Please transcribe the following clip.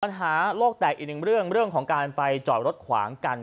ปัญหาโลกแตกอีกหนึ่งเรื่องของการไปจอดรถขวางกัน